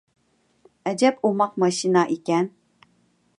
ئەجەب ئوماق ماشىنا ئىكەن.